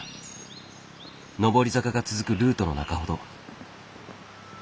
上り坂が続くルートの中ほど。